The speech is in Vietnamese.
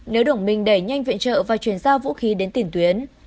nếu đồng minh đẩy nhanh viện trợ và chuyển giao vũ khí đến tiền tuyến